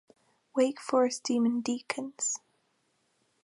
Wake Forest Demon Deacons